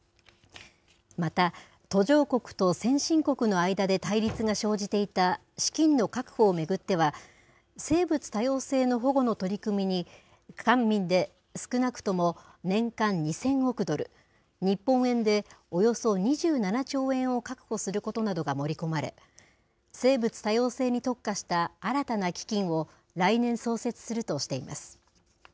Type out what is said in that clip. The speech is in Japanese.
また、途上国と先進国の間で対立が生じていた資金の確保を巡っては、生物多様性の保護の取り組みに、官民で少なくとも年間２０００億ドル、日本円でおよそ２７兆円を確保することなどが盛り込まれ、生物多様性に特化した新たな基金を、来年創設するとしています。